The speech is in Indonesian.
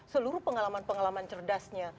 seluruh pengalaman pengalaman cerdasnya